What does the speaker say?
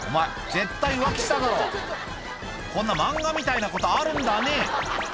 絶対浮気しただろこんな漫画みたいなことあるんだね